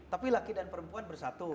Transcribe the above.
tapi laki dan perempuan bersatu